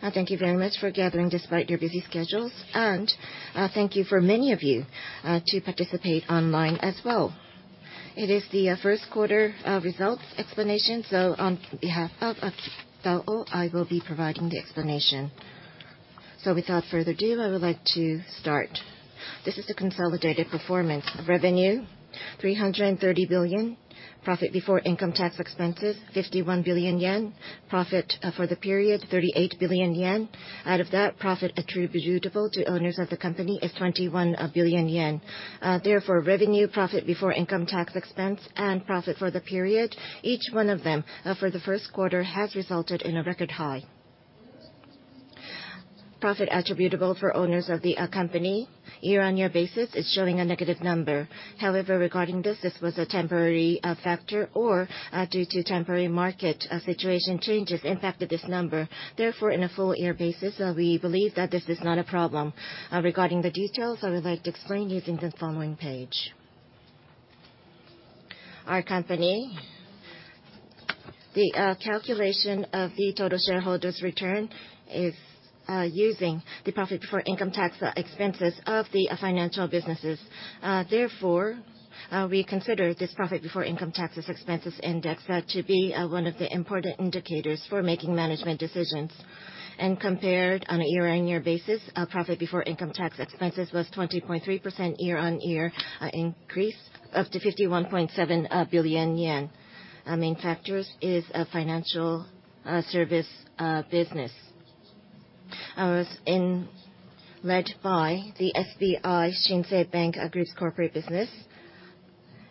Thank you very much for gathering despite your busy schedules, and, thank you for many of you, to participate online as well. It is the first quarter results explanation, so on behalf of Kitao, I will be providing the explanation. So without further ado, I would like to start. This is the consolidated performance. Revenue, 330 billion. Profit before income tax expenses, 51 billion yen. Profit for the period, 38 billion yen. Out of that, profit attributable to owners of the company is 21 billion yen. Therefore, revenue, profit before income tax expense, and profit for the period, each one of them, for the first quarter, has resulted in a record high. Profit attributable for owners of the company, year-on-year basis is showing a negative number. However, regarding this, this was a temporary factor or due to temporary market situation changes impacted this number. Therefore, in a full-year basis, we believe that this is not a problem. Regarding the details, I would like to explain using the following page. Our company, the calculation of the total shareholders' return is using the profit before income tax expenses of the financial businesses. Therefore, we consider this profit before income taxes expenses index to be one of the important indicators for making management decisions. And compared on a year-on-year basis, our profit before income tax expenses was 20.3% year-on-year increase, up to 51.7 billion yen. Our main factors is a financial service business was led by the SBI Shinsei Bank group's corporate business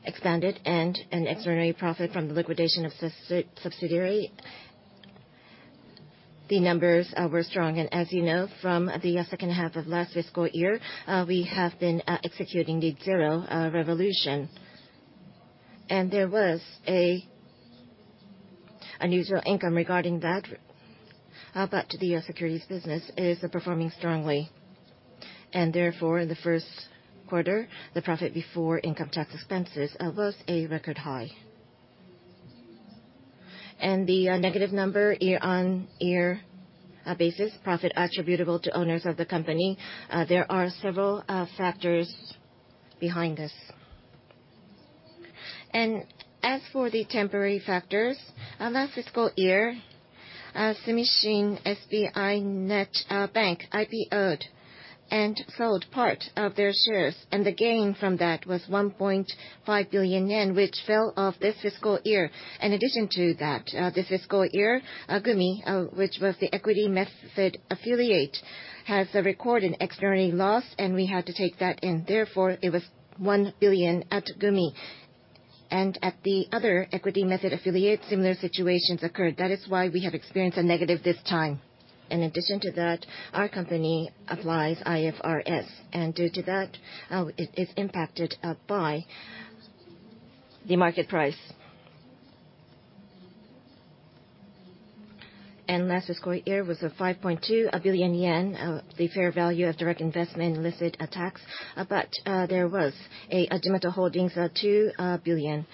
expanded and an extraordinary profit from the liquidation of subsidiary. The numbers were strong, and as you know, from the second half of last fiscal year, we have been executing the Zero Revolution. There was an unusual income regarding that, but the securities business is performing strongly. Therefore, in the first quarter, the profit before income tax expenses was a record high. The negative number year-over-year basis, profit attributable to owners of the company, there are several factors behind this. As for the temporary factors, last fiscal year, Sumishin SBI Net Bank IPO'd and sold part of their shares, and the gain from that was 1.5 billion yen, which fell off this fiscal year. In addition to that, this fiscal year, gumi, which was the equity method affiliate, has recorded an extraordinary loss, and we had to take that in. Therefore, it was 1 billion at gumi. And at the other equity method affiliates, similar situations occurred. That is why we have experienced a negative this time. In addition to that, our company applies IFRS, and due to that, it is impacted by the market price. And last fiscal year was 5.2 billion yen, the fair value of direct investment in listed stocks, but there was a Jimoto Holdings 2 billion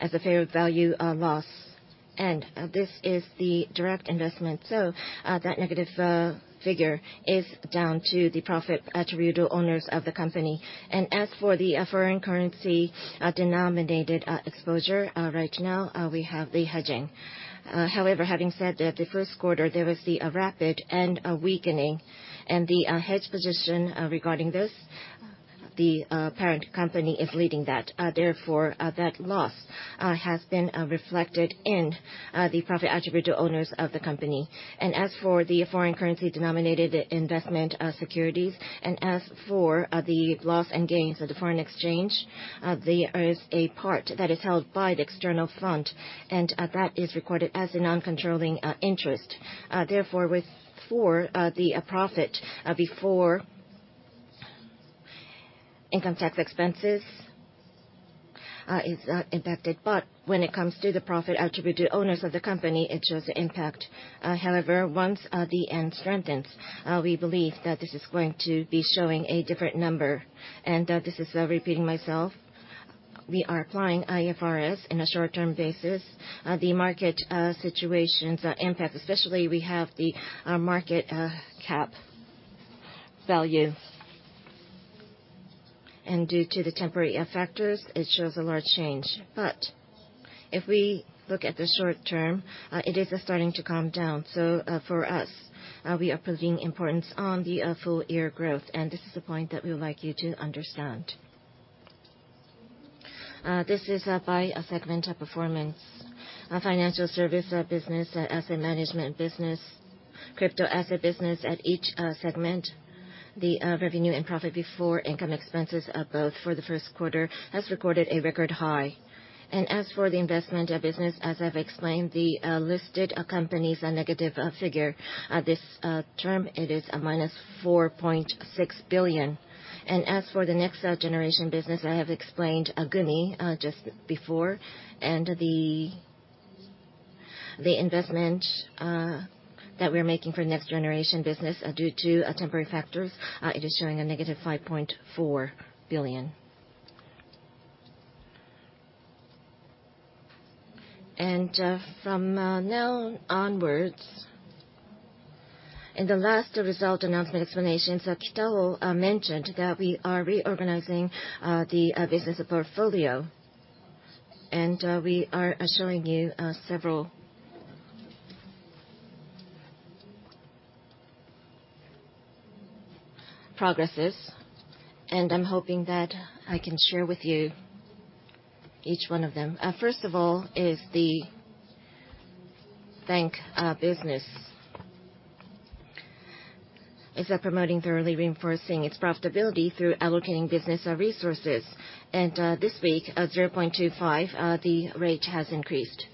as a fair value loss. This is the direct investment, so, that negative figure is down to the profit attributable owners of the company. As for the foreign currency denominated exposure, right now, we have the hedging. However, having said that, the first quarter, there was the rapid and weakening and the hedge position, regarding this, the parent company is leading that. Therefore, that loss has been reflected in the profit attributable owners of the company. As for the foreign currency denominated investment securities, and as for the loss and gains of the foreign exchange, there is a part that is held by the external fund, and that is recorded as a non-controlling interest. Therefore, for the profit before income tax expenses is impacted. But when it comes to the profit attributable to owners of the company, it shows the impact. However, once the yen strengthens, we believe that this is going to be showing a different number. And this is repeating myself, we are applying IFRS in a short-term basis. The market situations impact, especially we have the market cap value. And due to the temporary factors, it shows a large change. But if we look at the short term, it is starting to calm down. So, for us, we are putting importance on the full year growth, and this is the point that we would like you to understand. This is by segment of performance. Our financial services business, our asset management business, crypto asset business, at each segment, the revenue and profit before income expenses, both for the first quarter, has recorded a record high. And as for the investment business, as I've explained, the listed company's a negative figure. This term, it is minus $4.6 billion. And as for the next generation business, I have explained, gumi just before, and the investment that we're making for next generation business, due to temporary factors, it is showing a negative $5.4 billion. From now onwards, in the last result announcement explanations, Kitagawa mentioned that we are reorganizing the business portfolio, and we are showing you several progresses, and I'm hoping that I can share with you each one of them. First of all is the bank business. Is promoting thoroughly reinforcing its profitability through allocating business resources. This week, 0.25, the rate has increased.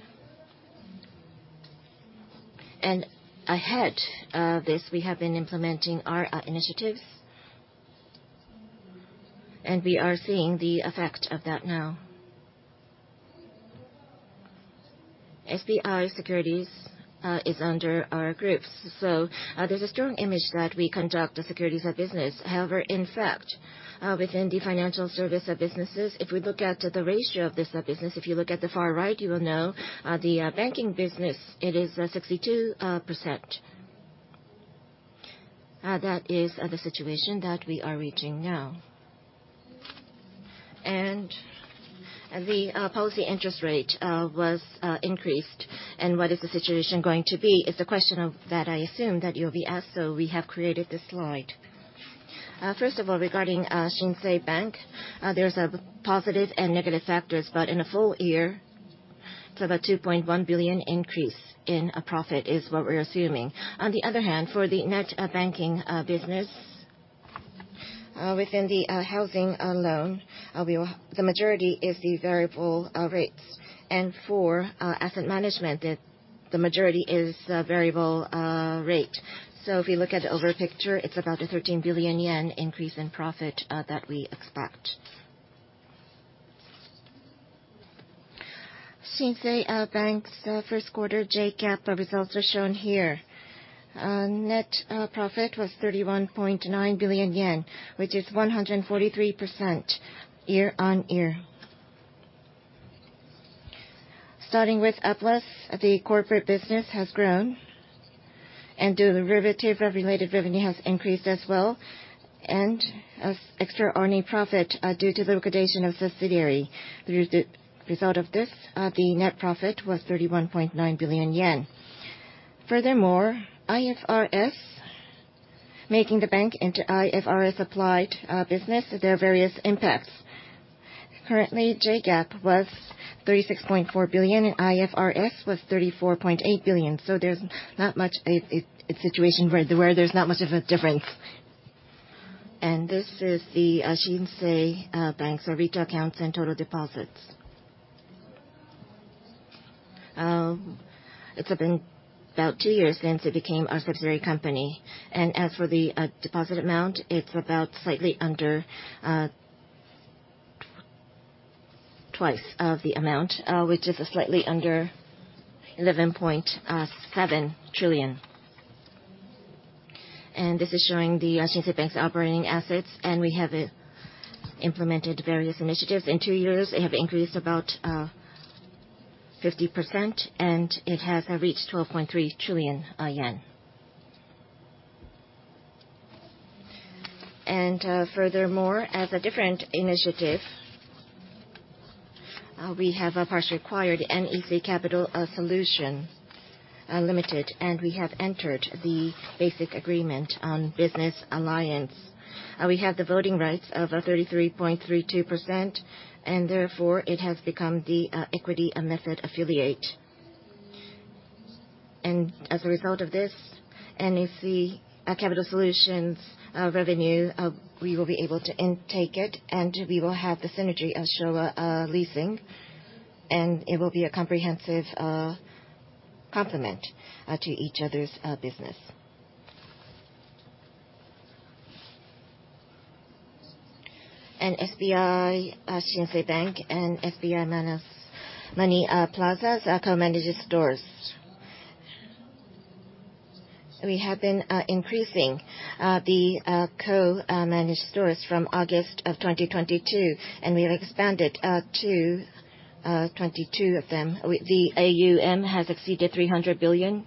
And ahead of this, we have been implementing our initiatives, and we are seeing the effect of that now. SBI Securities is under our groups, so there's a strong image that we conduct the securities business. However, in fact, within the financial service businesses, if we look at the ratio of this business, if you look at the far right, you will know the banking business, it is 62%. That is the situation that we are reaching now. And the policy interest rate was increased, and what is the situation going to be is the question that I assume that you'll be asked, so we have created this slide. First of all, regarding Shinsei Bank, there's positive and negative factors, but in a full year, it's about 2.1 billion increase in profit is what we're assuming. On the other hand, for the net banking business, within the housing loan, the majority is the variable rates. And for asset management, the majority is variable rate. So if you look at the overall picture, it's about a 13 billion yen increase in profit that we expect. Shinsei Bank's first quarter JGAAP results are shown here. Net profit was 31.9 billion yen, which is 143% year-on-year. Starting with Aplus, the corporate business has grown, and derivative-related revenue has increased as well, and as extraordinary profit due to the liquidation of subsidiary. Through the result of this, the net profit was 31.9 billion yen. Furthermore, IFRS, making the bank into IFRS-applied business, there are various impacts. Currently, JGAAP was 36.4 billion, and IFRS was 34.8 billion. So there's not much of a situation where there's not much of a difference. This is the Shinsei Bank's retail accounts and total deposits. It's been about two years since it became a subsidiary company, and as for the deposit amount, it's about slightly under twice of the amount, which is slightly under 11.7 trillion. This is showing the Shinsei Bank's operating assets, and we have implemented various initiatives. In two years, they have increased about 50%, and it has reached 12.3 trillion yen. Furthermore, as a different initiative, we have partially acquired NEC Capital Solutions Limited, and we have entered the basic agreement on business alliance. We have the voting rights of 33.32%, and therefore, it has become the equity method affiliate. As a result of this, NEC Capital Solutions revenue we will be able to intake it, and we will have the synergy of Showa Leasing, and it will be a comprehensive complement to each other's business. SBI Shinsei Bank and SBI Money Plaza's co-managed stores. We have been increasing the co-managed stores from August of 2022, and we have expanded to 22 of them. The AUM has exceeded 300 billion,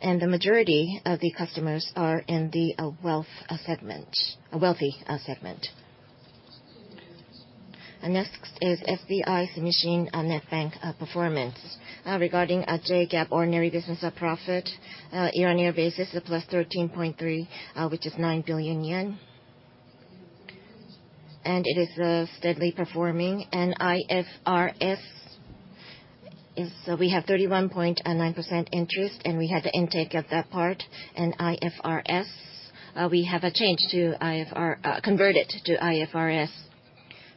and the majority of the customers are in the wealthy segment. Next is SBI Sumishin Net Bank performance. Regarding our JGAAP ordinary business profit year-on-year basis, +13.3, which is 9 billion yen. It is steadily performing. IFRS is, so we have 31.9% interest, and we had the intake of that part. IFRS, we have a change to, converted to IFRS.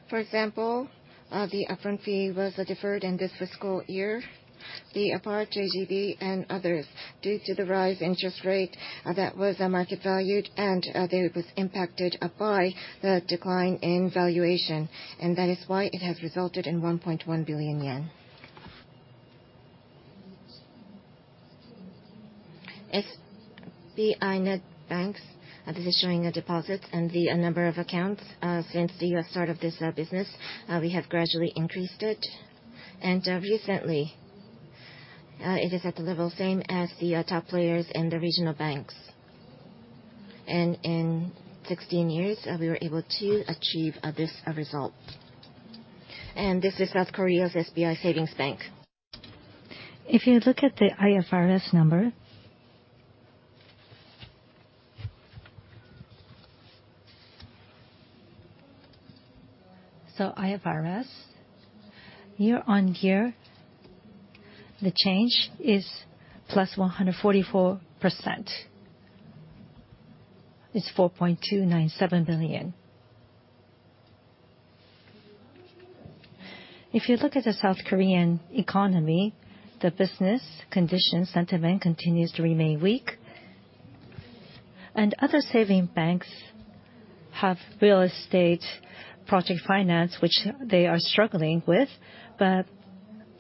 For example, the upfront fee was deferred in this fiscal year. The JGB and others, due to the rise in interest rate, that was market valued, and, there it was impacted by the decline in valuation, and that is why it has resulted in 1.1 billion yen.... SBI Net Banks, this is showing the deposits and the number of accounts. Since the start of this business, we have gradually increased it, and recently, it is at the level same as the top players in the regional banks. And in sixteen years, we were able to achieve this result. And this is South Korea's SBI Savings Bank. If you look at the IFRS number, so IFRS, year-on-year, the change is +144%. It's JPY 4.297 billion. If you look at the South Korean economy, the business condition sentiment continues to remain weak, and other saving banks have real estate project finance, which they are struggling with. But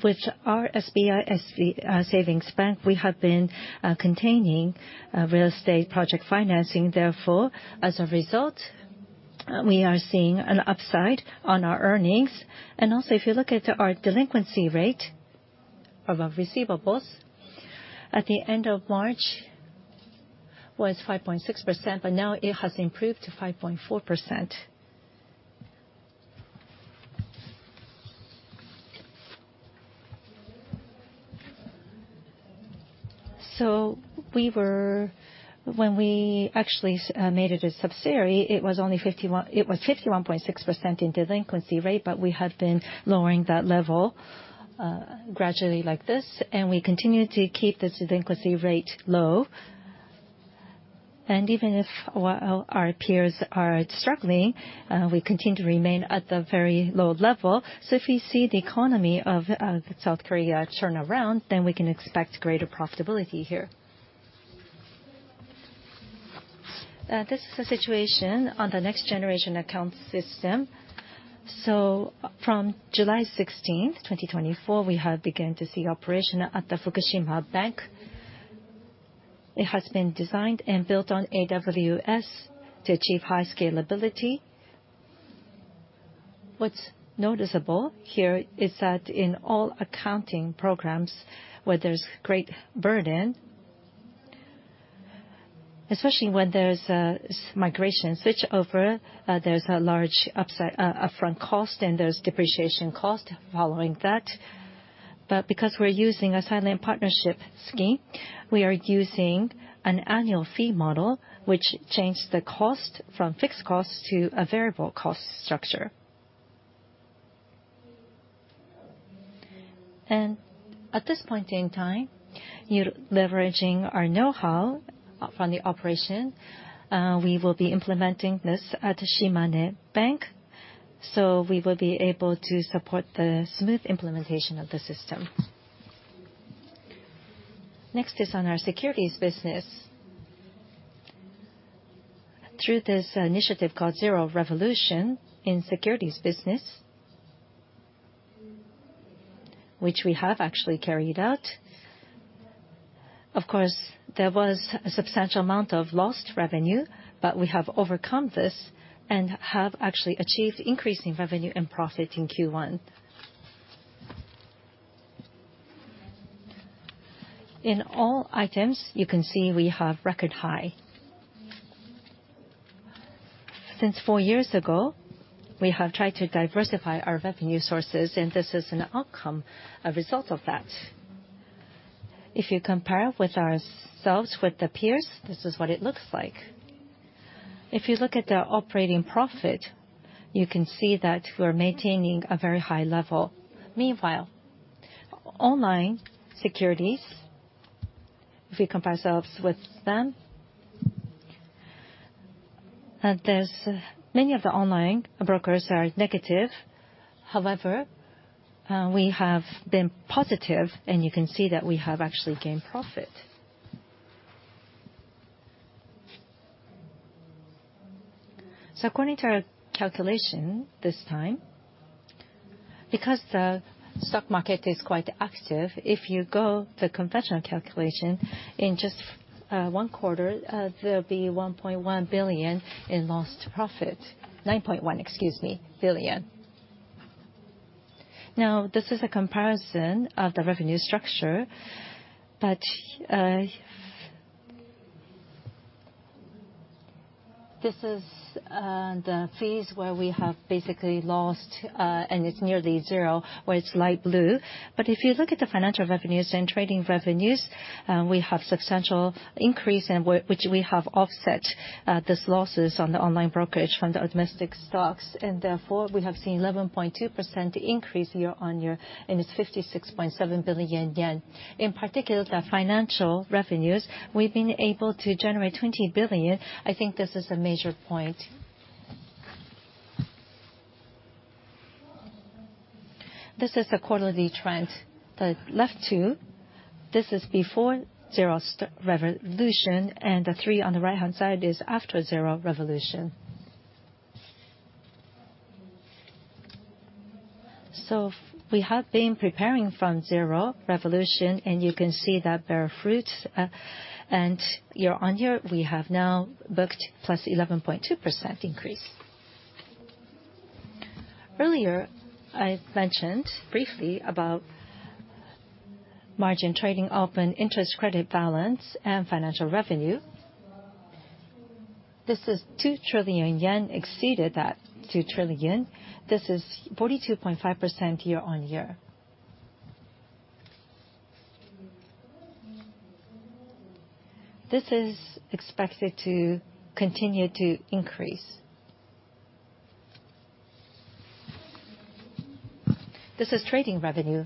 with our SBI Savings Bank, we have been containing real estate project financing. Therefore, as a result, we are seeing an upside on our earnings. And also, if you look at our delinquency rate of our receivables, at the end of March was 5.6%, but now it has improved to 5.4%. So when we actually made it a subsidiary, it was only 51.6% in delinquency rate, but we have been lowering that level gradually, like this, and we continue to keep this delinquency rate low. And even if, well, our peers are struggling, we continue to remain at the very low level. So if we see the economy of South Korea turn around, then we can expect greater profitability here. This is the situation on the next-generation account system. So from July 16th, 2024, we have begun to see operation at the Fukushima Bank. It has been designed and built on AWS to achieve high scalability. What's noticeable here is that in all accounting programs where there's great burden, especially when there's a migration switchover, there's a large upside upfront cost, and there's depreciation cost following that. But because we're using a silent partnership scheme, we are using an annual fee model, which changed the cost from fixed cost to a variable cost structure. And at this point in time, you're leveraging our know-how from the operation. We will be implementing this at the Shimane Bank, so we will be able to support the smooth implementation of the system. Next is on our securities business. Through this initiative called Zero Revolution in securities business, which we have actually carried out, of course, there was a substantial amount of lost revenue, but we have overcome this and have actually achieved increasing revenue and profit in Q1. In all items, you can see we have record high. Since four years ago, we have tried to diversify our revenue sources, and this is an outcome, a result of that. If you compare with ourselves with the peers, this is what it looks like. If you look at the operating profit, you can see that we're maintaining a very high level. Meanwhile, online securities, if we compare ourselves with them, there's many of the online brokers are negative. However, we have been positive, and you can see that we have actually gained profit. So according to our calculation this time, because the stock market is quite active, if you go the conventional calculation, in just one quarter, there'll be 1.1 billion in lost profit. 9.1, excuse me, billion. Now, this is a comparison of the revenue structure, but this is the fees where we have basically lost, and it's nearly zero, where it's light blue. But if you look at the financial revenues and trading revenues, we have substantial increase, and which we have offset those losses on the online brokerage from the domestic stocks, and therefore, we have seen 11.2% increase year-on-year, and it's 56.7 billion yen. In particular, the financial revenues, we've been able to generate 20 billion. I think this is a major point. This is the quarterly trend. The left two, this is before Zero Revolution, and the three on the right-hand side is after Zero Revolution. So we have been preparing from Zero Revolution, and you can see that bear fruit. And year-on-year, we have now booked plus 11.2% increase. Earlier, I mentioned briefly about margin trading, open interest, credit balance, and financial revenue. This is 2 trillion yen, exceeded that 2 trillion. This is 42.5% year-on-year. This is expected to continue to increase. This is trading revenue.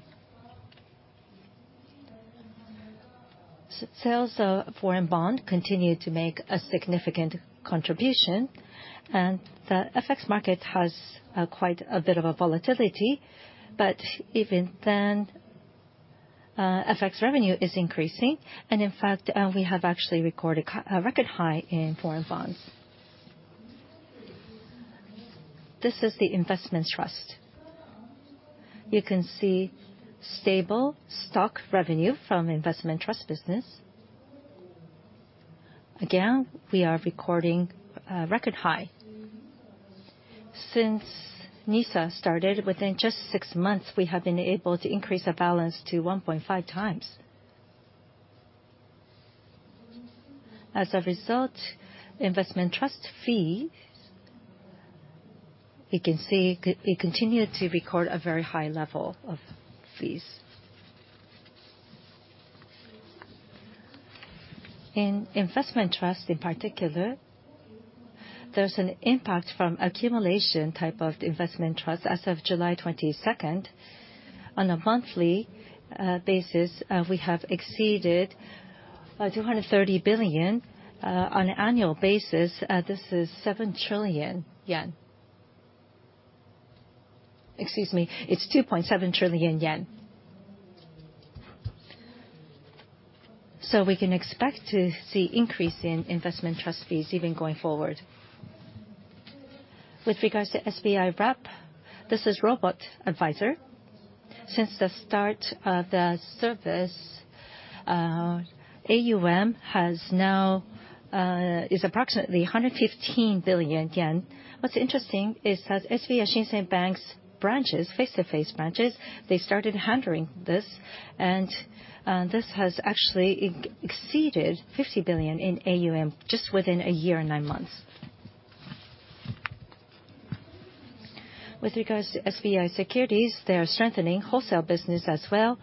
Sales of foreign bonds continue to make a significant contribution, and the FX market has quite a bit of a volatility. But even then, FX revenue is increasing, and in fact, we have actually recorded a record high in foreign bonds. This is the investment trust. You can see stable stock revenue from investment trust business. Again, we are recording record high. Since NISA started, within just six months, we have been able to increase the balance to 1.5x. As a result, investment trust fee, you can see, it continued to record a very high level of fees. In investment trust, in particular, there's an impact from accumulation type of investment trust as of July 22nd. On a monthly basis, we have exceeded 230 billion. On an annual basis, this is 7 trillion yen. Excuse me, it's 2.7 trillion yen. So we can expect to see increase in investment trust fees even going forward. With regards to SBI Wrap, this is robot advisor. Since the start of the service, AUM has now is approximately 115 billion yen. What's interesting is that SBI Shinsei Bank's branches, face-to-face branches, they started handling this, and this has actually exceeded 50 billion in AUM just within a year and nine months. With regards to SBI Securities, they are strengthening wholesale business as well.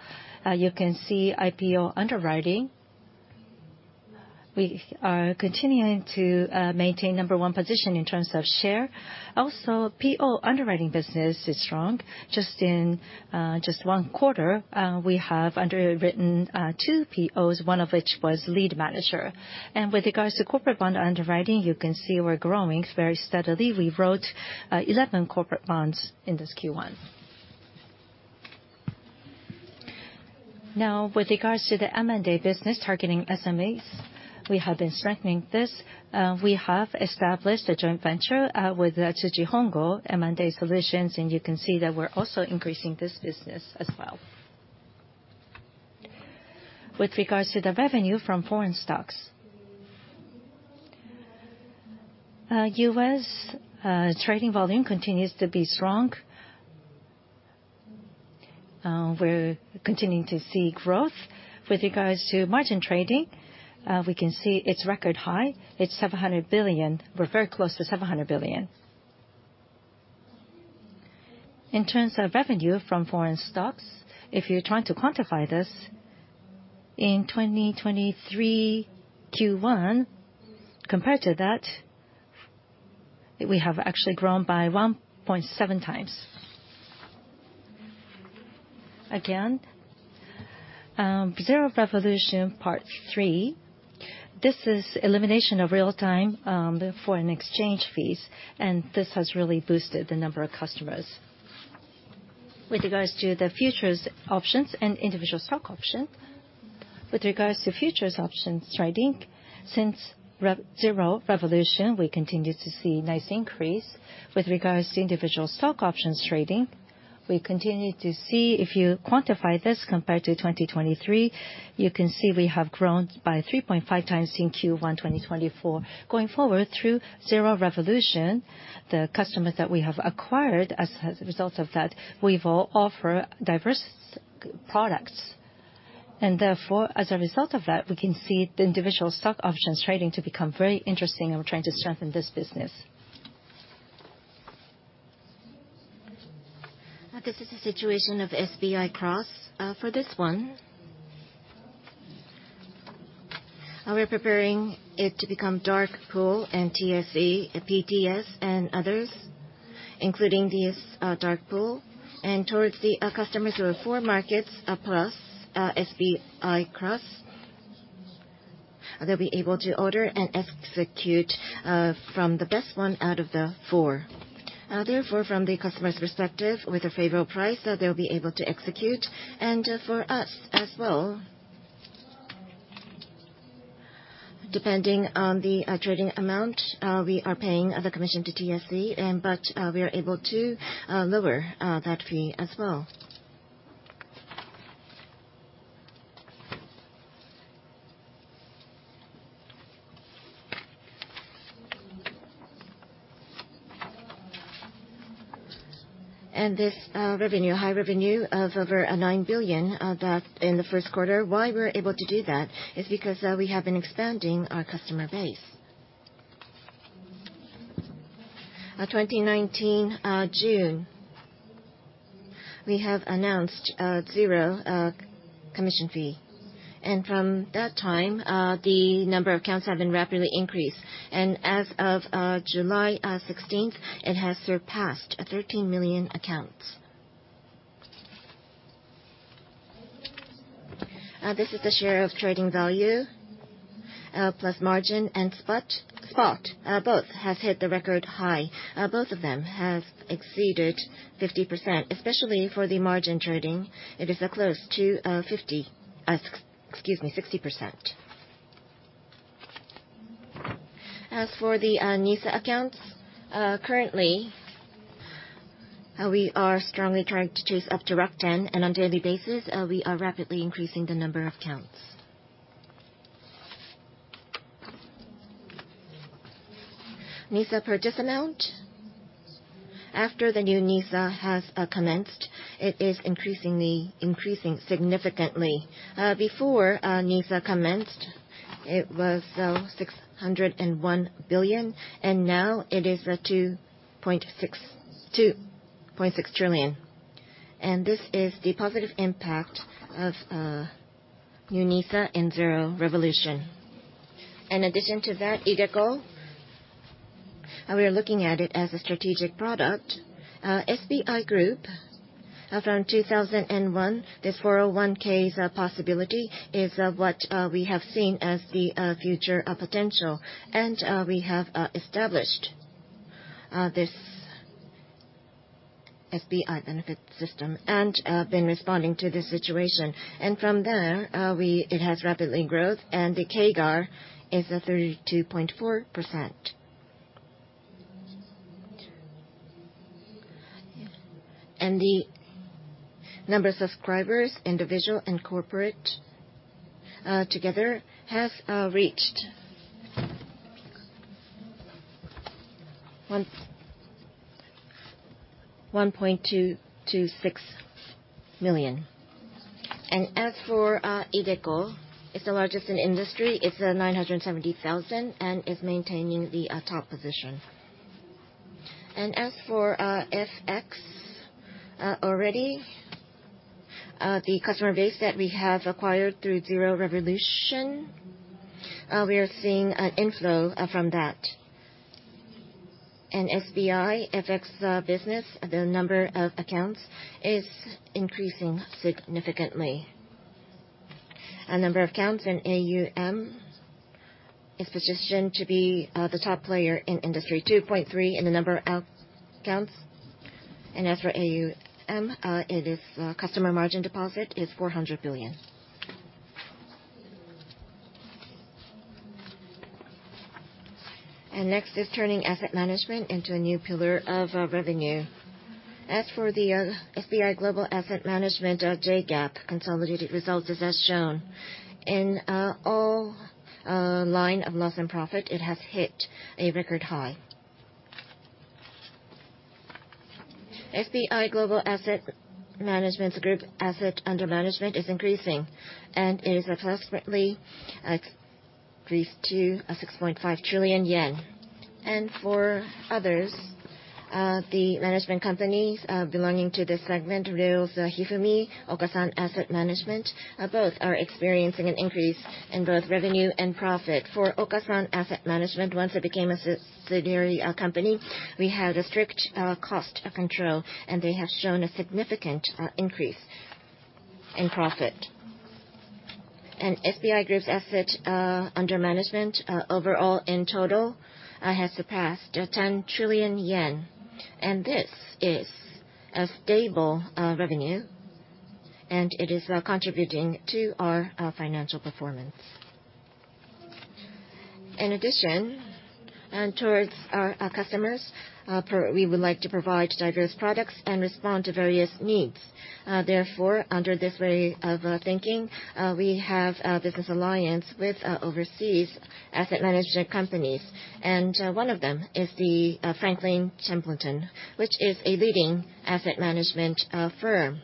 You can see IPO underwriting. We are continuing to maintain number one position in terms of share. Also, PO underwriting business is strong. Just in one quarter, we have underwritten two POs, one of which was lead manager. And with regards to corporate bond underwriting, you can see we're growing very steadily. We wrote 11 corporate bonds in this Q1. Now, with regards to the M&A business targeting SMEs, we have been strengthening this. We have established a joint venture with the Tsuji Hongo M&A, and you can see that we're also increasing this business as well. With regards to the revenue from foreign stocks, U.S. trading volume continues to be strong. We're continuing to see growth. With regards to margin trading, we can see it's record high. It's 700 billion. We're very close to 700 billion. In terms of revenue from foreign stocks, if you're trying to quantify this, in 2023 Q1, compared to that, we have actually grown by 1.7x. Again, Zero Revolution part three, this is elimination of real-time foreign exchange fees, and this has really boosted the number of customers. With regards to the futures options and individual stock option, with regards to futures options trading, since Zero Revolution, we continue to see nice increase. With regards to individual stock options trading, we continue to see, if you quantify this compared to 2023, you can see we have grown by 3.5x in Q1 2024. Going forward, through Zero Revolution, the customers that we have acquired as a result of that, we will offer diverse products. And therefore, as a result of that, we can see the individual stock options trading to become very interesting, and we're trying to strengthen this business. This is the situation of SBI Cross. For this one, we're preparing it to become dark pool and TSE, PTS, and others, including these, dark pool. And towards the, customers who have four markets, plus, SBI Cross, they'll be able to order and execute, from the best one out of the four. Therefore, from the customer's perspective, with a favorable price, they'll be able to execute, and for us as well-... depending on the trading amount, we are paying the commission to TSE, and but we are able to lower that fee as well. And this high revenue of over 9 billion in the first quarter, why we're able to do that is because we have been expanding our customer base. In 2019,June, we announced zero commission fee, and from that time, the number of accounts have been rapidly increased. And as of July 16th, it has surpassed 13 million accounts. This is the share of trading value plus margin and spot, both have hit the record high. Both of them have exceeded 50%, especially for the margin trading, it is close to 50, excuse me, 60%. As for the NISA accounts, currently, we are strongly trying to chase up to rank 10, and on daily basis, we are rapidly increasing the number of accounts. NISA purchase amount, after the new NISA has commenced, it is increasingly increasing significantly. Before NISA commenced, it was 601 billion, and now it is 2.6 trillion. And this is the positive impact of new NISA and Zero Revolution. In addition to that, iDeCo, and we are looking at it as a strategic product. SBI Group, from 2001, this 401(k)s possibility is what we have seen as the future potential, and we have established this SBI benefit system and been responding to this situation. From there, it has rapidly grown, and the CAGR is 32.4%. The number of subscribers, individual and corporate, together, has reached 1.226 million. As for iDeCo, it's the largest in industry. It's 970,000 and is maintaining the top position. As for FX, already, the customer base that we have acquired through Zero Revolution, we are seeing an inflow from that. And SBI FX business, the number of accounts is increasing significantly. Number of accounts and AUM is positioned to be the top player in industry, 2.3 in the number of accounts. And as for AUM, it is customer margin deposit 400 billion. Next is turning asset management into a new pillar of revenue. As for the SBI Global Asset Management JGAAP consolidated results is as shown. In all line of loss and profit, it has hit a record high. SBI Global Asset Management Group asset under management is increasing and is approximately increased to 6.5 trillion yen. And for others, the management companies belonging to this segment, Rheos, Hifumi, Okasan Asset Management, both are experiencing an increase in both revenue and profit. For Okasan Asset Management, once it became a subsidiary company, we had a strict cost control, and they have shown a significant increase in profit. SBI Group's asset under management overall in total has surpassed 10 trillion yen, and this is a stable revenue, and it is contributing to our financial performance. In addition, towards our customers we would like to provide diverse products and respond to various needs. Therefore, under this way of thinking, we have a business alliance with overseas asset management companies, and one of them is the Franklin Templeton, which is a leading asset management firm.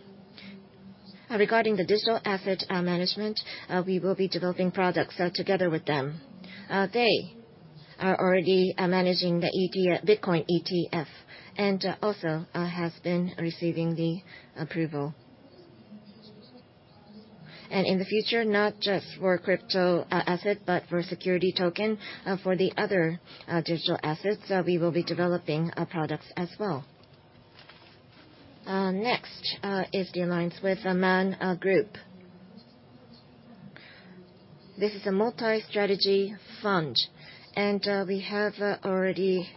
Regarding the digital asset management, we will be developing products together with them. They are already managing the ET- Bitcoin ETF, and also have been receiving the approval. In the future, not just for crypto asset, but for security token, for the other digital assets, we will be developing products as well. Next is the alliance with the Man Group. This is a multi-strategy fund, and we have already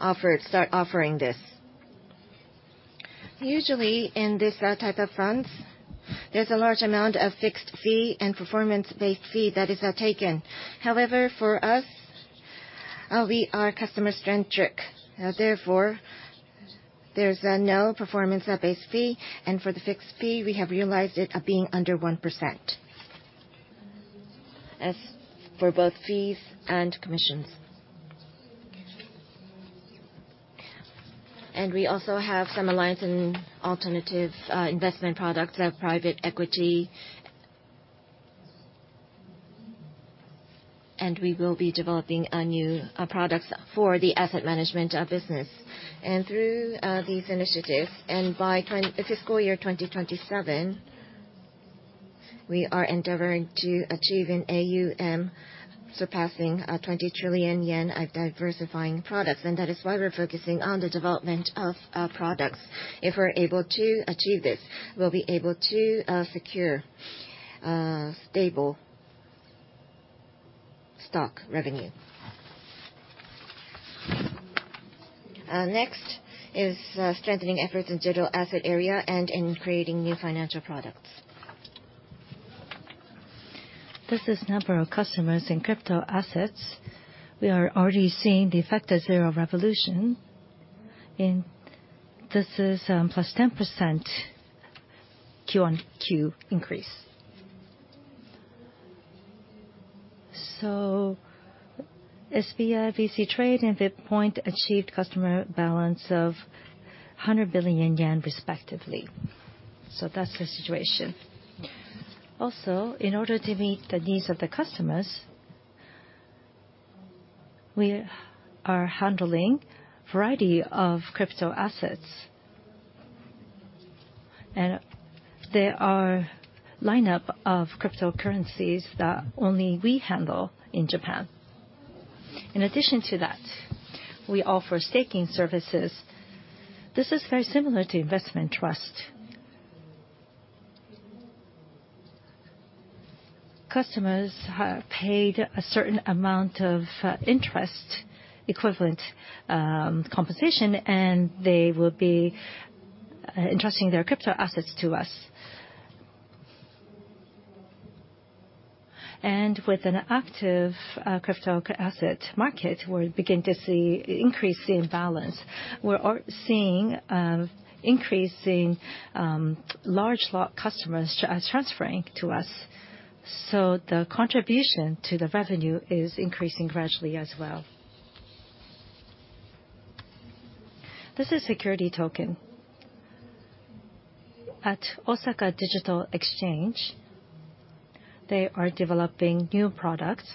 started offering this. ...Usually in this type of funds, there's a large amount of fixed fee and performance-based fee that is taken. However, for us, we are customer-centric, therefore, there's no performance-based fee, and for the fixed fee, we have realized it being under 1%, as for both fees and commissions. And we also have some alliance and alternative investment products, private equity, and we will be developing new products for the asset management business. And through these initiatives, and by fiscal year 2027, we are endeavoring to achieve an AUM surpassing 20 trillion yen of diversifying products, and that is why we're focusing on the development of products. If we're able to achieve this, we'll be able to secure stable stock revenue. Next is strengthening efforts in digital asset area and in creating new financial products. This is number of customers in crypto assets. We are already seeing the Zero Revolution, and this is +10% quarter-over-quarter increase. So SBI VC Trade and BITPoint achieved customer balance of 100 billion yen respectively, so that's the situation. Also, in order to meet the needs of the customers, we are handling variety of crypto assets, and there are lineup of cryptocurrencies that only we handle in Japan. In addition to that, we offer staking services. This is very similar to investment trust. Customers have paid a certain amount of interest equivalent compensation, and they will be entrusting their crypto assets to us. With an active crypto asset market, we'll begin to see increase in balance. We're seeing increase in large lot customers transferring to us, so the contribution to the revenue is increasing gradually as well. This is Security Token. At Osaka Digital Exchange, they are developing new products.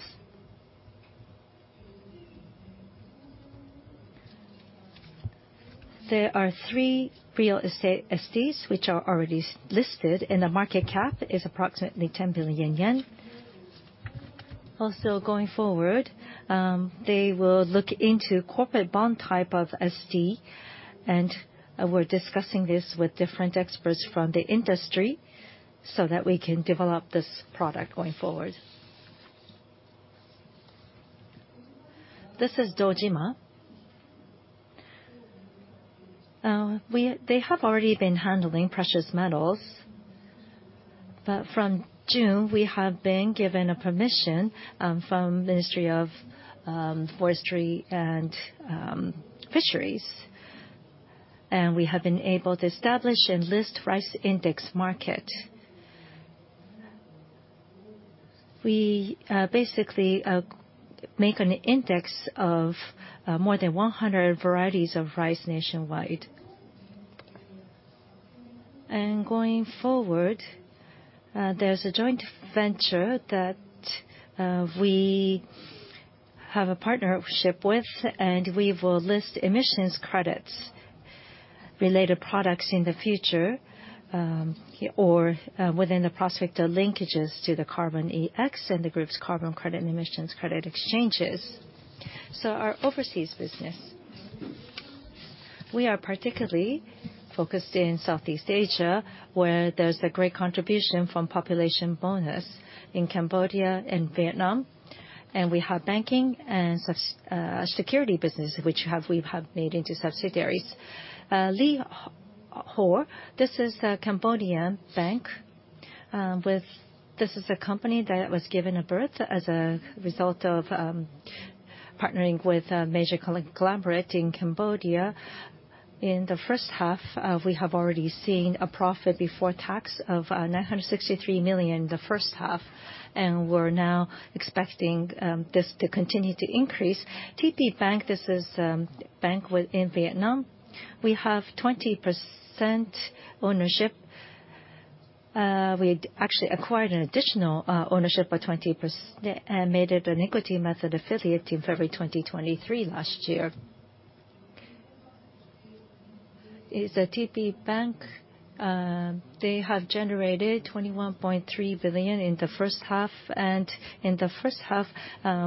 There are three real estate STs which are already listed, and the market cap is approximately 10 billion yen. Also, going forward, they will look into corporate bond type of ST, and we're discussing this with different experts from the industry so that we can develop this product going forward. This is Dojima. They have already been handling precious metals, but from June, we have been given a permission from Ministry of Forestry and Fisheries, and we have been able to establish and list rice index market. We basically make an index of more than 100 varieties of rice nationwide. And going forward, there's a joint venture that we have a partnership with, and we will list emissions credits related products in the future, or within the prospect of linkages to the Carbon EX and the group's carbon credit and emissions credit exchanges. So our overseas business. We are particularly focused in Southeast Asia, where there's a great contribution from population bonus in Cambodia and Vietnam, and we have banking and securities business, which we have made into subsidiaries. Ly Hour, this is a Cambodian bank. This is a company that was given birth as a result of partnering with a major collaborator in Cambodia. In the first half, we have already seen a profit before tax of 963 million in the first half, and we're now expecting this to continue to increase. TPBank, this is bank within Vietnam. We have 20% ownership. We actually acquired an additional ownership of 20%, and made it an equity method affiliate in February 2023 last year. It's a TPBank, they have generated 21.3 billion in the first half, and in the first half,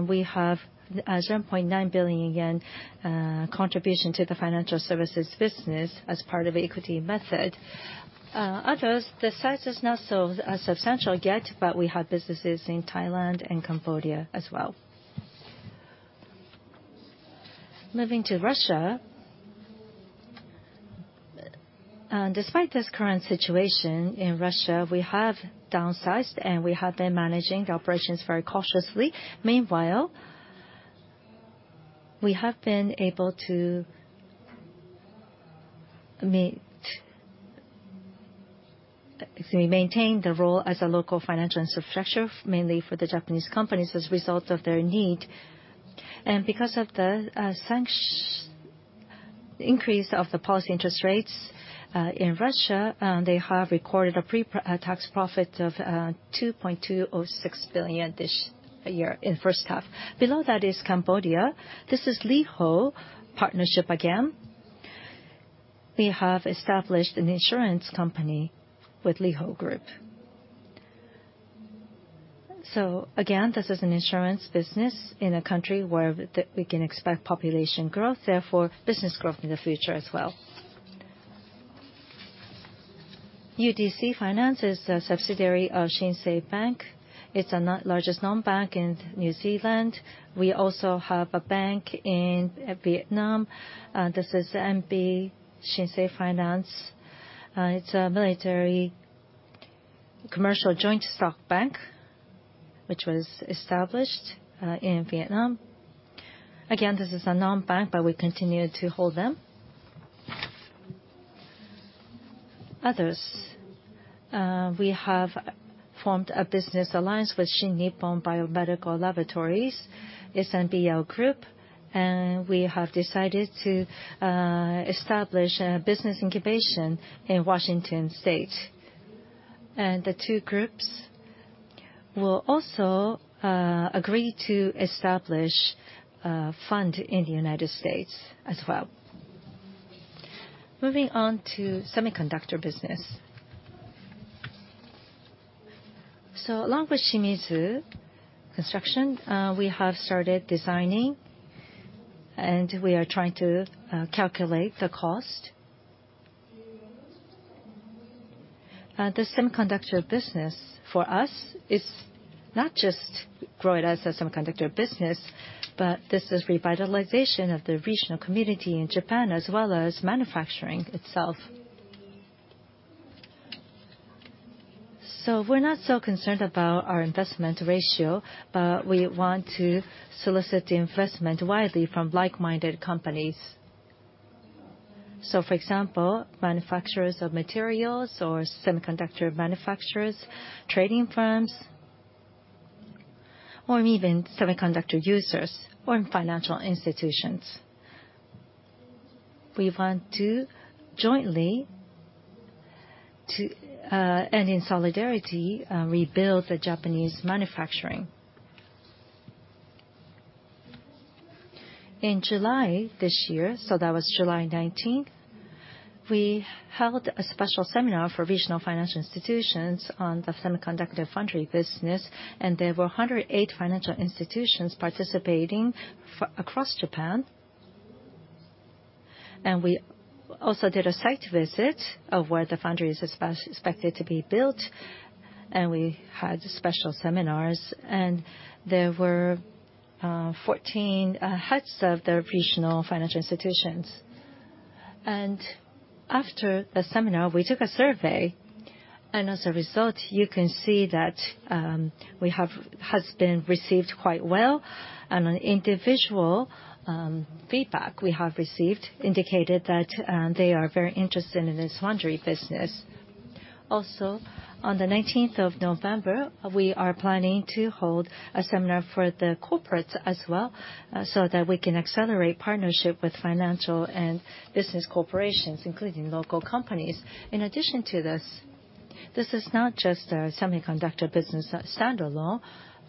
we have 0.9 billion yen contribution to the financial services business as part of equity method. Others, the size is not so substantial yet, but we have businesses in Thailand and Cambodia as well. Moving to Russia, and despite this current situation in Russia, we have downsized and we have been managing operations very cautiously. Meanwhile, we have been able to maintain the role as a local financial infrastructure, mainly for the Japanese companies, as a result of their need. Because of the increase of the policy interest rates in Russia, they have recorded a pre-tax profit of 2.06 billion this year, in first half. Below that is Cambodia. This is Ly Hour partnership again. We have established an insurance company with Ly Hour Group. So again, this is an insurance business in a country where we can expect population growth, therefore, business growth in the future as well. UDC Finance is a subsidiary of Shinsei Bank. It's the largest non-bank in New Zealand. We also have a bank in Vietnam. This is MB Shinsei Finance. It's a military commercial joint stock bank, which was established in Vietnam. Again, this is a non-bank, but we continue to hold them. Others, we have formed a business alliance with Shin Nippon Biomedical Laboratories, SNBL Group, and we have decided to establish a business incubation in Washington State. And the two groups will also agree to establish a fund in the United States as well. Moving on to semiconductor business. So along with Shimizu Corporation, we have started designing, and we are trying to calculate the cost. The semiconductor business for us is not just growing as a semiconductor business, but this is revitalization of the regional community in Japan, as well as manufacturing itself. So we're not so concerned about our investment ratio, but we want to solicit the investment widely from like-minded companies. So for example, manufacturers of materials or semiconductor manufacturers, trading firms, or even semiconductor users or financial institutions. We want to jointly to and in solidarity rebuild the Japanese manufacturing. In July this year, so that was July 19th, we held a special seminar for regional financial institutions on the semiconductor foundry business, and there were 108 financial institutions participating across Japan. And we also did a site visit of where the foundry is expected to be built, and we had special seminars, and there were 14 heads of the regional financial institutions. After the seminar, we took a survey, and as a result, you can see that has been received quite well, and individual feedback we have received indicated that they are very interested in this foundry business. Also, on the nineteenth of November, we are planning to hold a seminar for the corporates as well, so that we can accelerate partnership with financial and business corporations, including local companies. In addition to this, this is not just a semiconductor business at Shimizu,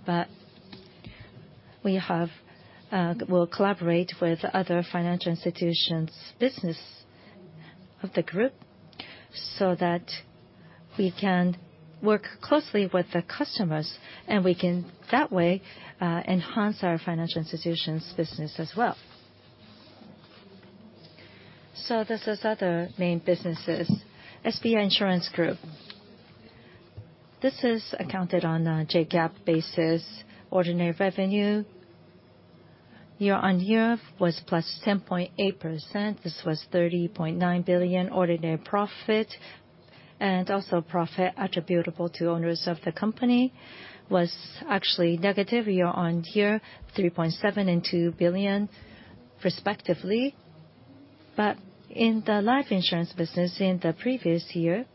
but we have, we'll collaborate with other financial institutions business of the group, so that we can work closely with the customers, and we can, that way, enhance our financial institutions business as well. So this is other main businesses, SBI Insurance Group. This is accounted on a JGAAP basis. Ordinary revenue year-on-year was +10.8%. This was 30.9 billion ordinary profit, and also profit attributable to owners of the company was actually negative year-on-year, 3.7 and 2 billion respectively. But in the life insurance business in the previous year,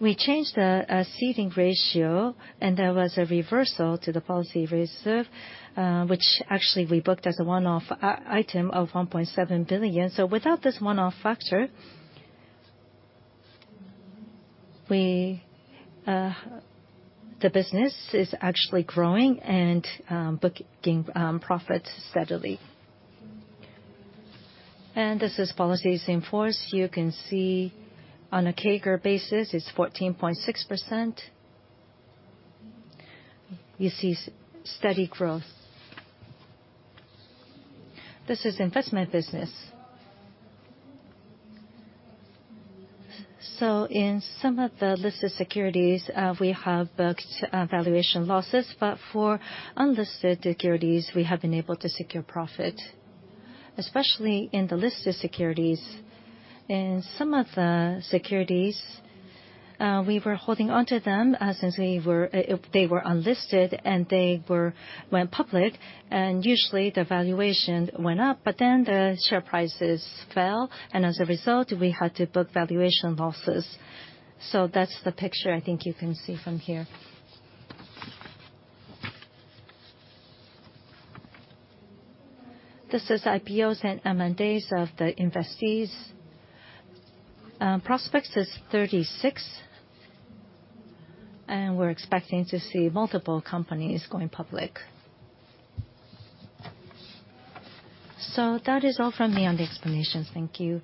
we changed the ceding ratio, and there was a reversal to the policy reserve, which actually we booked as a one-off item of 1.7 billion. So without this one-off factor, we the business is actually growing and booking profits steadily. And this is policies in force. You can see on a CAGR basis, it's 14.6%. You see steady growth. This is investment business. So in some of the listed securities, we have booked valuation losses, but for unlisted securities, we have been able to secure profit, especially in the listed securities. In some of the securities, we were holding onto them, since we were, they were unlisted, and they were went public, and usually, the valuation went up, but then the share prices fell, and as a result, we had to book valuation losses. So that's the picture I think you can see from here. This is IPOs and M&As of the investees. Prospects is 36, and we're expecting to see multiple companies going public. So that is all from me on the explanations. Thank you.